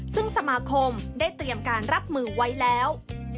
ซึ่งสมาคมได้เตรียมการรับมือไว้แล้ว